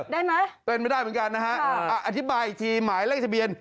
ได้ไหมเป็นไม่ได้เหมือนกันนะฮะอธิบายอีกทีหมายเลขทะเบียน